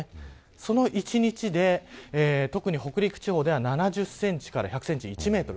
その一日で特に北陸地方では７０センチから１００センチ１メートル。